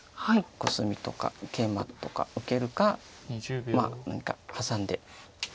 コスミとかケイマとか受けるかまあ何かハサんでいく手を。